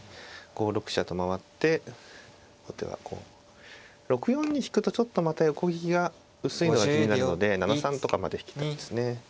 ５六飛車と回って後手はこう６四に引くとちょっとまた横利きが薄いのが気になるので７三とかまで引きたいですね。